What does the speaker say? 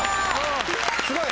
すごい！